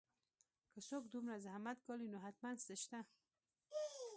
که څوک دومره زحمت ګالي نو حتماً څه شته